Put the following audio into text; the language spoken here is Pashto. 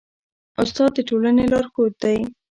استاد د ټولني لارښود دی.